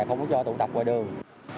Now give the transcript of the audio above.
không có cho tụ tập ngoài đường